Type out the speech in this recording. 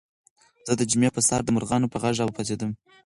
زه د جمعې په سهار د مرغانو په غږ راپاڅېدم.